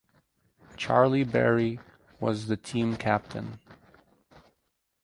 Charlie Berry was the team captain.